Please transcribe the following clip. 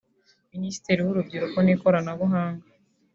Minisitiri w’urubyiruko n’ikoranabunga